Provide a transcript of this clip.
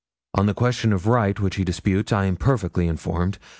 On the question of right which he disputes, I am perfectly informed.